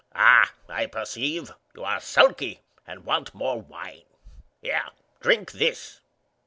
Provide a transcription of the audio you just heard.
_ Ah, I perceive. You are sulky, and want more wine. Here, drink this!"